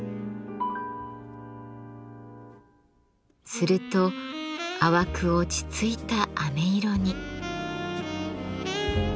すると淡く落ち着いたあめ色に。